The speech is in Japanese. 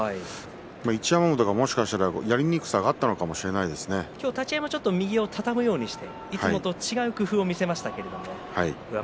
一山本が、もしかしたらやりにくさは立ち合い右をつかむようにしていつもと違う工夫を見せました。